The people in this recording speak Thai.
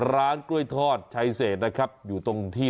ร้านกล้วยทอดชัยเศษนะครับอยู่ตรงที่